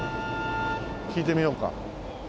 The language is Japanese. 聞いてみようか。